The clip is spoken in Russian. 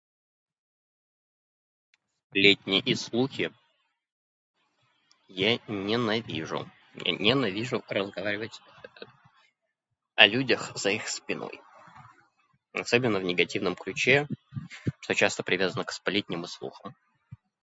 Сплетни и слухи я ненавижу. Я ненавижу разговаривать о о о людях за их спиной. Особенно в негативном ключе, что часто привязано к сплетням и слухам.